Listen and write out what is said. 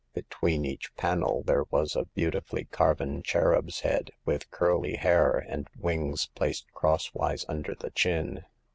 Between each panel there was abeau tifuUy carven cherub's head, with curly hair, and wings placed crosswise under the chin.